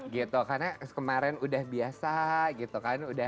karena kemarin sudah biasa gitu kan